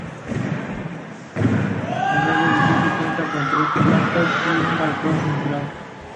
El nuevo edificio cuenta con tres plantas y un balcón centrado.